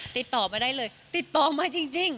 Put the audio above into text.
ติดต่อมาได้เลยติดต่อมาจริง